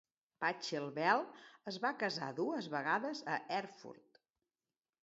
Pachelbel es va casar dues vegades a Erfurt.